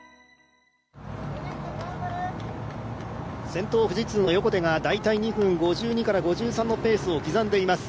先頭富士通の横手が２分５２ぐらいのペースを刻んでいます。